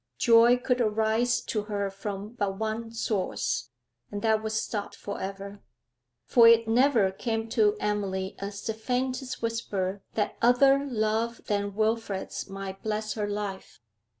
Joy could arise to her from but one source, and that was stopped for ever. For it never came to Emily as the faintest whisper that other love than Wilfrid's might bless her life.